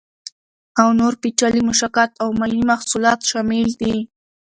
او نور پیچلي مشتقات او مالي محصولات شامل دي.